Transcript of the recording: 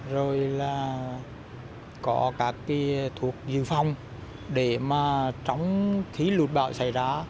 rồi là có các cái thuộc dư phong để mà trong khi lụt bạo xảy ra